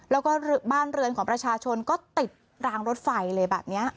แล้วก็บ้านเรือนของประชาชนก็ติดรางรถไฟเลยแบบนี้